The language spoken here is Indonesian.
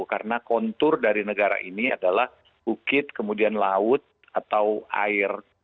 karena kontur dari negara ini adalah bukit kemudian laut atau air